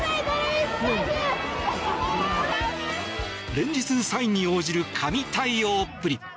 連日サインに応じる神対応っぷり。